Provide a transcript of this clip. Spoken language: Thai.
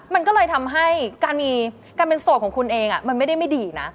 มันก็เลยทำให้การมีการเป็นโสดของคุณเองมันไม่ได้ไม่ดีนะ